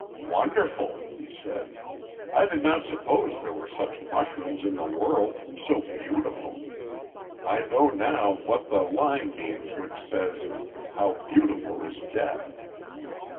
"Wonderful!" he said. "I did not suppose there were such mushrooms in the world so beautiful. I know now what the line means which says, 'How beautiful is death.'"